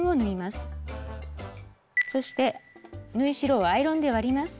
そして縫い代をアイロンで割ります。